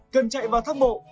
cần chạy vào thang bộ